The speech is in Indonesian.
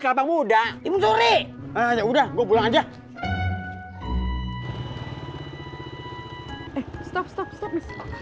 kelapa muda timun suri aja udah gua pulang aja eh stop stop stop